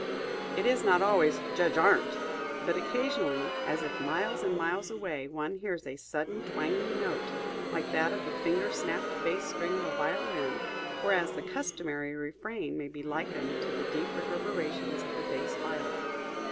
It is not always "Judge Arndt!" but occasionally, as if miles and miles away, one hears a sudden twanging note, like that of the finger snapped bass string of a violin; whereas the customary refrain may be likened to the deep reverberations of the bass viol.